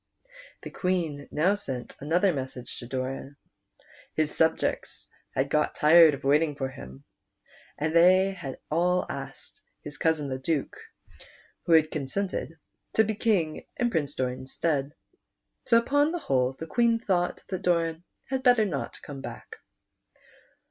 The Queen now sent another message to Doran. His subjects had got tired of waiting for him, and they had asked his cousin the Duke, who had con sented, to be King in Prince Doran's stead. So upon the whole the Queen thought that Doran had better not come back.